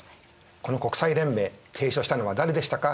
この国際連盟提唱したのは誰でしたか。